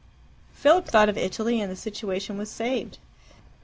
Philip thought of Italy, and the situation was saved.